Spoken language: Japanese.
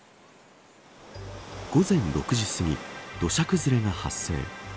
午前６時すぎ、土砂崩れが発生。